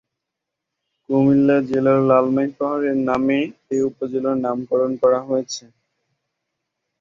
কুমিল্লা জেলার লালমাই পাহাড়ের নামে এ উপজেলার নামকরণ করা হয়েছে।